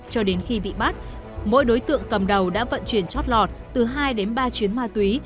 cho đến khi bị bắt mỗi đối tượng cầm đầu đã vận chuyển chót lọt từ hai đến ba chuyến ma túy